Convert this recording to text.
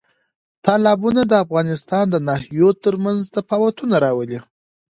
تالابونه د افغانستان د ناحیو ترمنځ تفاوتونه راولي.